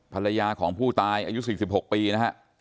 ภรรยาของผู้ตายอายุ๔๖ปีนะฮะ